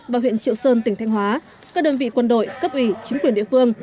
và huyện triệu sơn tỉnh thanh hóa các đơn vị quân đội cấp ủy chính quyền địa phương